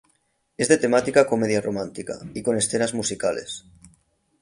Es de temática comedia-romántica, y con escenas musicales.